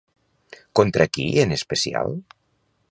Contra qui en especial?